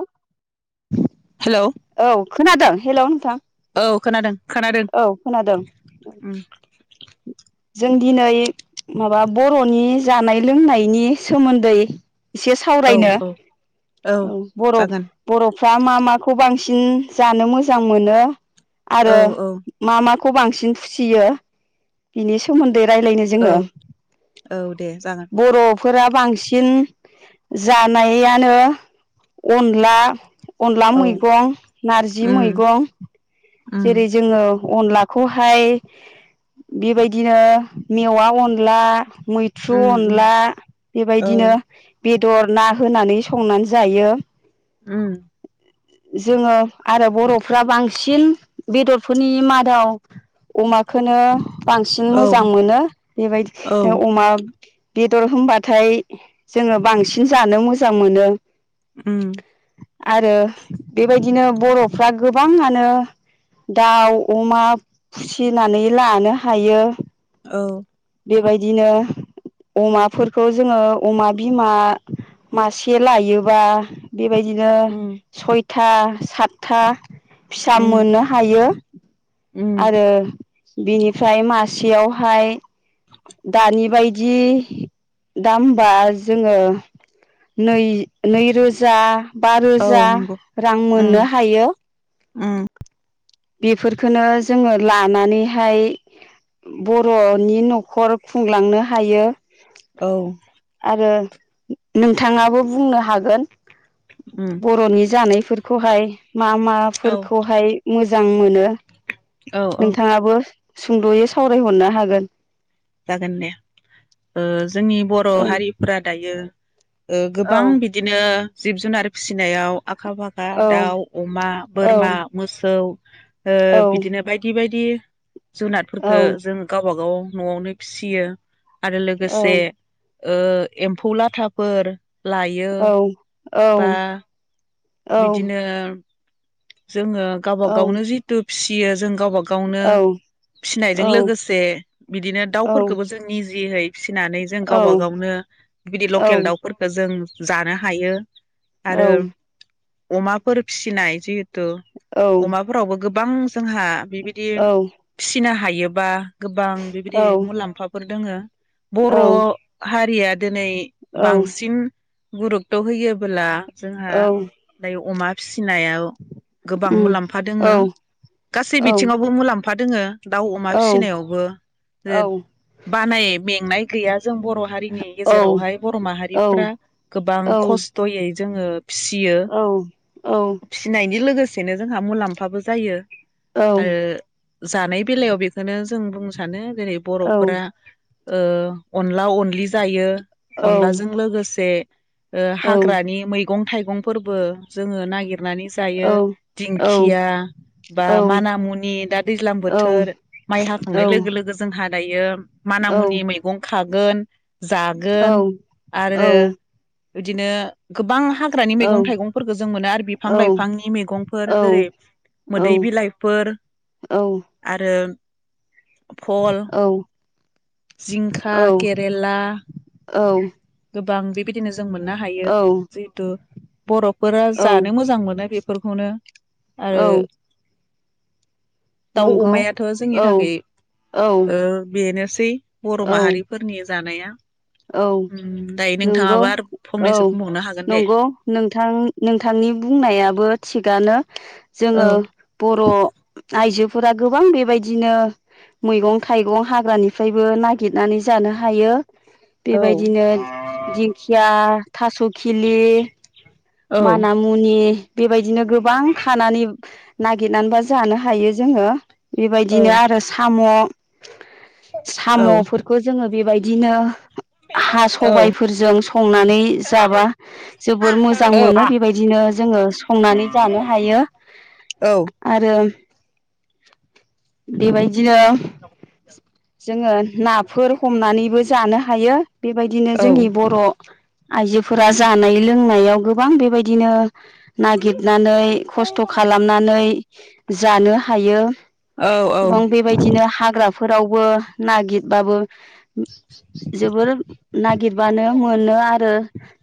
औ हेलौ औ खोनादों हेल' नोंथां? औ खोनादों। खोनादों औ खोनादों ओम जों दिनै माबा बर'नि जानाय-लोंनाय बिनि सोमोन्दै एसे औ सावरायनो औ औ जागोन बर' फ्रा मा माखौ बांसिन जानो मोजां मोनो औ आरो औ मा मा? खौ बांसिन फिसियो? बिनि सोमोन्दै रायज्लायनो औ जोङो औ दे जागोन बर' फोरा बांसिन जानायानो अनला अनला औ मैगं नारजि उम मैगं उम जेरै जोङो अनलाखौहाय बेबायदिनो मेवा अनला मैथ्रु उम उम अनला औ बेबायदिनो बेदर ना होनानै संनानै जायो। उम जोङो आरो बर'फ्रा बांसिन बेदरफोरनि मादाव अमाखौनो बांसिन औ मोजां मोनो औ बेबायदिनो अमा बेदर होनबाथाय जोङो बांसिन जानो मोजां मोनो। उम आरो बेबायदि बिदिनो बर'फ्रा गोबाङानो दाउ अमा फिसिनानै लानो हायो औ बेबायदिनो अमाफोरखौ जोङो अमा बिमा मासे लायोबा बेबायदिनो उम सयथा था सातथा फिसा उम मोननो हायो उम आरो बिनिफ्राय मासेयावहाय दानि बायदि दामबा जोङो नै नैरोजा बा औ रोजा नंगौ रां उम मोननो हायो। उम बेफोरखोनो जोङो लानानैहाय बर'नि न'खर खुंलांनो हायो औ आरो नोंथाङाबो बुंनो हागोन उम बर'नि जानाय फोरखौहाय मा मा औ फोरखौहाय मोजां मोजां मोनो औ औ नोंथाङाबो सुंद'यै सावरायहरनो हागोन। जागोन दे जोंनि बर' ओं हारिफ्रा दायो ओ औ गोबां बिदिनो जिब जुनार फिसिनायाव आखा फाखा दाउ अमा औ बोरमा मोसौ ओ औ बिदिनो बायदि बायदि दि औ जुनारफोरखो जों गाव बागाव नआवनो फिसियो आरो औ लोगोसे एम्फौ लाथाफोर लायो औ औ बा औ बिदिनो [inaudible] जोङो गावबा गावनो जितु फिसियो जों गावबा गावनो औ फिनायजों औ औ लोगोसे बिदिनो औ दाउफोरखौबो जोंनि जिहै फिसिनानै जों गावबा गावनो बिदि लकेल दाउफोरखो जों जानो हायो आरो अमाफोर फिसिनाय जिब हेथु अमाफोरावबो गोबां जोंहा बिबायदि फिसिनो हायो हायोबा गोबां बेबायदि मुलाम्फाफोर दोङो बर' हारिया दिनै बांसिन गुरुपथ' होयोबोला जोंहा अमा फिसि नायाव गोबां उम मुलाम्फा औ दोङो गासै औ बिथिङावबो मुलाम्फा फा दोङो दाउ अमा औ फिसिनायावबो ज बानाय मेंनाय गैया जों बर' हारिनि गेजेरावहाय बर' माहारिफ्रा गोबां खस्थ'यै जोङो फिसि औ औ नायजों लोगोसेनो जोंहा मुलाम्फाबो जायो आरो जानाय बेलायाव बेखोनो जों बुंन सानो जेरै औ बर'फोरा ओ अनला अनलि जायो औ अनलाजों लोगोसे ओ औ नंगौ हाग्रानि मै मैंगं थाइगं फोरबो जोङो नागिर नानै जायो औ दिंखिया बा माना मुनि दा दैज्लां बोथोर माइ हाखांनाय लोगो लोगो जोंहा दायो माना मुनि मैगं खाग गोन जागोन आरो बिदिनो गोबां हा मैगं थाइगंफोरखौ जों मोनो आरो बिफां लाइफांनि मेगंफोर जेरै मोदै बिलाइफोर आरो भल जिंखा केरेला औ बां बेबायदिनो जों मोननो हायो जिहेथु बर'फोरा जानो मोजां मोनो बेफोरखौनो आरो दाउ अमायाथ' जोंनि थाखाय औ बेनोसै दै बर' माहारिफोरनि जानाया औ उम दायो नंगौ नोंथाङाबो आरो औ फंनैसो बुंबावनो हागोन दे नंगौ नोंथां नोंथांनि बुंनायाबो थिगानो औ जोङो बर' आइजो फोरा गोबां बेबायदिनो मैगं थाइगं हाग्रानिफ्रायबो नागिरनानै जानो हायो औ बेबायदिनो दिंखिया थास' खिलि औ मानामुनि बेबायदिनो गोबां खानानै बा नागिरनानैबा जानो हायो जोङो औ बेबायदिनो आरो साम' औ सामफोरखौ जोङो बेबायदिनो हा औ सबायफोरजों संनानै जाबा जोबोर मोजां। मोजां मोनो बेबायदिनो जोङो संनानै जानो हायो आरो। बेबायदिनो जोङो नाफोर हमनानैबो जानो हायो। बेबायदिनो औ जोंनि बर' आइजोफोरा जानाय लोंनायाव गो बां बेबायदिनो नागिरनानै खस्थ' खालामनानै जानो हायो। औ औ गोबां बेबायदिनो हाग्रा फोरावबो नागिरबाबो जोबोर नागिरबानो मोनो आरो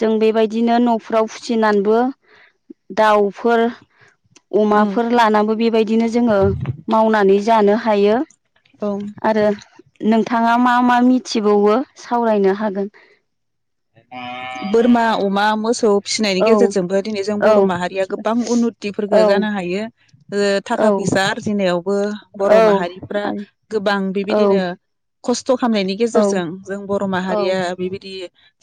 जों बेबायदिनो न' औ फुसिनानबो दाउफोर उम अमाफोर लानाबो बेबायदिनो जोङो मावनानै जानो हायो औ आरो नों थाङा मा मा मिथिबावो सावरायनो हागोन? बोरमा, अमा मोसौ फिसिनायनि औ गेजेरजोंबो दिनै जों बर' माहारिया गोबां उननुथि फोरखो औ जानो हायो ओ औ थाखा फैसा आरजिनायावबो बर' औ माहारिफ्रा गोबां औ बेबायदिनो खस्थ' खालामनायनि औ गेजेरजों जों बर' बेबायदिनो माहारिया बेबायदि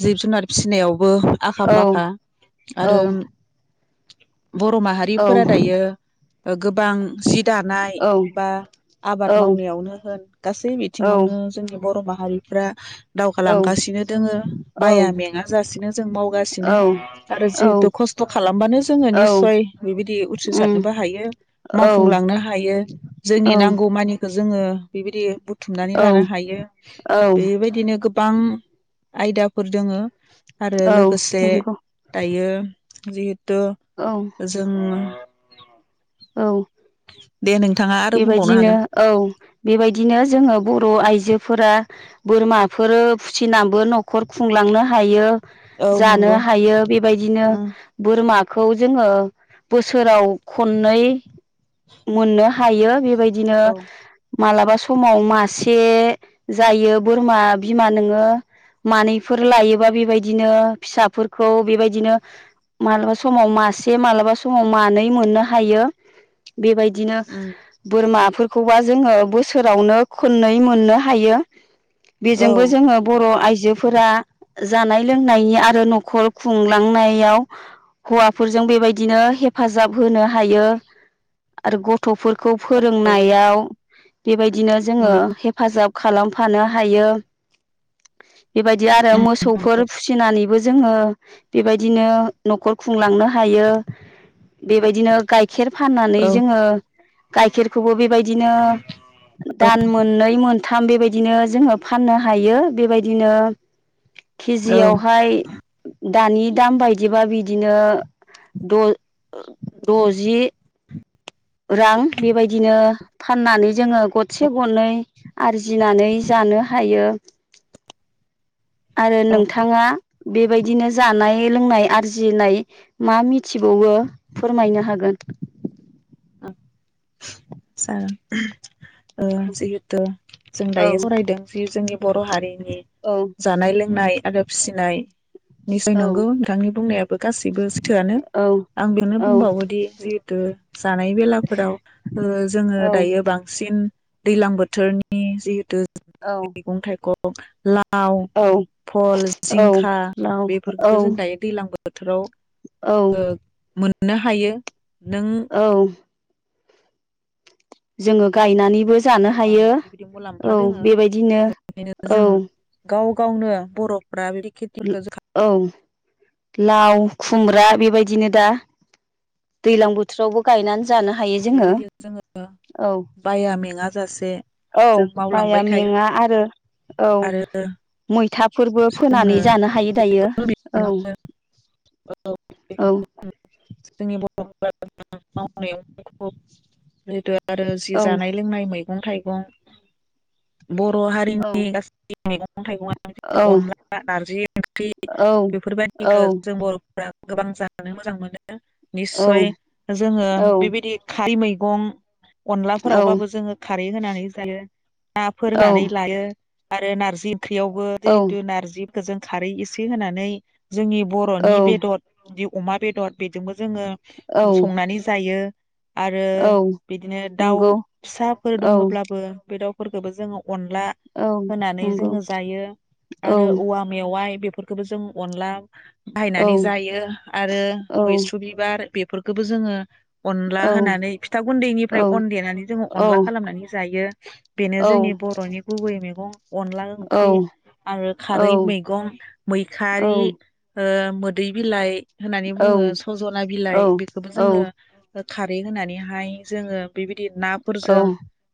जिब जुनार फिसिनायाव बो आखा फाखा आरो बर' माहारिफोरा दायो ओ गोबां जि दानाय बा आबाद मावनायावनो होन गासै बिथिङावनो जोंनि बर' मा हारिफ्रा दावगालांगासिनो दोङो। बाया मेङा जासिनो जों मावगासिनो आरो जिहेथु खस्थ' खालामबानो जोङो निस्सय बेबायदि उथ्रिसारनोबो हायो मावफुंलांनो हायो जोंनि नांगौ मानिखो जोङो बिबायदि बु थुमनानै लानो हायो बेबायदिनो गो बां आयदा फोर दोङो आरो लोगोसे दायो जिहे थु जों औ दे नोंथाङा आरो बुंबावनो बेबायदिनो हागोन। औ बेबायदिनो जोङो बर' आइजोफोरा बोरमाफोर फुसिनाबो न'खर खुंलांनो हायो औ जानो नंगौ हायो बेबायदिनो उम बोरमा खौ जोङो बोसोराव ख ननै मोननो हायो बेबायदिनो औ उम मालाबा समाव मासे जायो बोरमा बिमा नोङो मानैफोर लायोबा बेबायदिनो फिसाफोरखौ बेबायदिनो मालाबा समाव मासे मालाबा समाव मानै मोननो हायो बेबायदिनो बोरमा फोरखौबा जोङो बोसोरावनो खोननै मोननो हायो औ बेजोंबो जोङो बर' आइ जोफोरा जानाय लोंनायनि आरो न'खर खुंलांनायाव हौवाफोरजों बेबायदिनो हेफाजाब होनो हायो आरो गथ'फोर खौ फोरोंनायाव बेबायदिनो जोङो नंगौ। हेफाजाब खालाम फानो हायो बेबायदि आरो उम मोसौफोर फिसिनानैबो जोङो बेबायदिनो न'खर खुंलांनो हायो बेबायदिनो गाइखेर फाननानै औ जोङो गायखिर खौबो बेबायदिनो दान मोननै मोन थाम बेबायदिनो जोङो फाननो हायो बेबायदिनो औ केजियावहाय दानि दाम बायदिबा बिदिनो द द'जि रां बेबायदिनो फाननानै जोङो गरसे गरनै आरजिनानै जानो हायो आरो नोंथाङा बेबायदिनो जानाय लोंनाय आरजिनाय मा मिथिबावो फोरमायनो हागोन ओं जागोन ओ जिहेथु जों दायो औ सावरायदों जि जोंनि बर' हारि औ जानाय लोंनाय आरो फिसिनाय निसय औ नंगौ नोंथांनि बुंनायाबो गासिबो सैथोआनो औ आं बेयावनो बुंबावोदि जिहेथु जानाय बेलाफोराव जोङो औ दायो बांसिन दैलां बोथोरनि जिहेतु मैगं थाइगं ला- लाव औ भल औ जिंखा लाव औ बेफोरखौ जों दायो दैलां बो बोथोराव ओ औ मोन मोननो हायो। नों औ जोङो गायनानैबो जानो गोबां हायो बेबायदि मुलाम्फा औ दोङो बेबायदिनो बेखायनो औ जों गाव गावनो बर' फोरा खेथि औ लाव खुमब्रा बेबायदिनो दा दैज्लां बोथोरावबो गायनानैै जानो हायो जोङो बेबायदि जोङो औ बाया मेङा जासे औ जों बाया मावलांबाय थायो मेङा आरो औ आरो मैथा फोरबो जोङो फोनानै जानो हायो दायो औ औ माव [unintelligible] आरो जि औ जानाय लोंनाय मैं मैगं थाइगं बर' औ हारिनि गासै मैगं औ थाइगंया अनला नारजि ओंख्रि औ औ बेफोरबायादिखौ जों बर' गोबां जानो मोजां मोनो। औ निस्सय जोङो औ बेबायदि खारै मैगं अनलाफोरावबाबो जोङो खारै होनानै जायो ना फोरनानै लायो आरो नारजि ओंख्रियावबो जिहेतु नारजि जों खारै एसे होनानै जोंनि औ बर'नि बेदर बिदि अमा बेदर बेजोंबो जोङो औ संनानै जायो आरो औ बिदिनो दाउ नंगौ फिसाफोर औ दङब्लाबो बे दाउ फोरखोबो जोंङो अनला औ होनानै नंगौ जोङो जायो औ आरो औवा मेवाइ बेफोरखौबो जों अनला औ बाहायनानै जायो आरो औ मैस्रु बिबार बेफोरखौबो जोङो अनला औ होनानै फिथा औ गुन्दैनिफ्राय अन देनानै औ जोङो अनला खालामनानै जायो बेनो जोंनि औ बर'नि गुबै मेग गं अनला ओंख्रि आरो खारै मैगं मैखारि ओ मोदै बिलाइ होननानै बुङो सजना बिलाइ बेखौबो जोङो खारै होनानैहाय जोङो बेबायदि नाफोरजों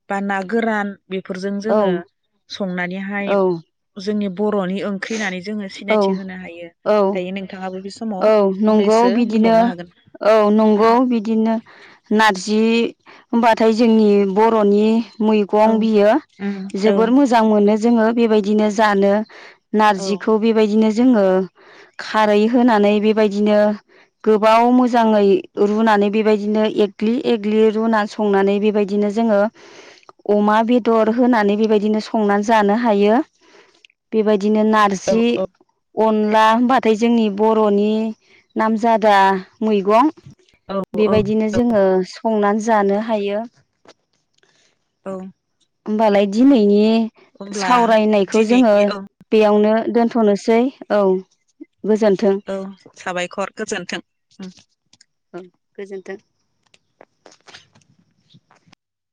बा ना गोरान बेफोरजों जोङो संनानैहाय जोंनि बर'नि ओंख्रिहोननानै जोङो औ सिनायथि होनो हायो औ दायो नोंथाङाबो बे औ समाव नंगौ फंनैसो बिदिनो बुंबावनो औ हागोन जि होमबाथाय जोंनि बर'नि औ मैगं बियो उम औ जोबोर मोजां मोनो जोङो बेबायदिनो जानो औ नारजिखौ बेबायदिनो जोङो खारै होनानै बेबायदिनो गोबाव मोजाङै रुनानै बेबायदिनो एग्लि एग्लि रुनानै संनानै बेबायदिनो जोङो अमा बेदर होनानै बेबायदिनो संनानै जानो हायो बेबायदि नो नारजि औ अनला होमबाथाय जोंनि बर'नि नामजादा दा मैगं औ औ बेबायदिनो जोङो संनानै जानो हायो औ होमबालाय दिनैनि होमब्ला सावरायनायखौ जोङो दिनैनि औ बेयावनो दोनथनोसै औ गोजोन्थों औ साबायखर गोजोनथों औ गोजोन्थों [inaudible]